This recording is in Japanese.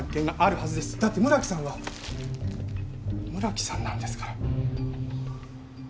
だって村木さんは村木さんなんですから。